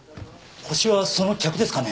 ホシはその客ですかね？